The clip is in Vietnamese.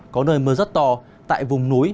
có nơi mưa rất to tại vùng núi